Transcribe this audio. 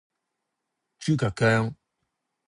豬腳薑